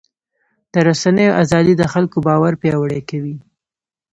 د رسنیو ازادي د خلکو باور پیاوړی کوي.